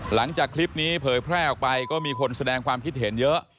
หลังจากคลิปนี้เผยแพร่ออกไปก็มีคนแสดงความคิดเห็นเยอะ